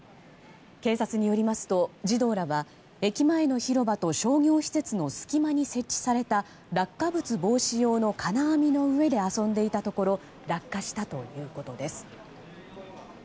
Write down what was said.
警察によりますと児童らは駅前の広場と商業施設の隙間に設置された落下物防止用の金網の上で遊んでいたところ落下したということです。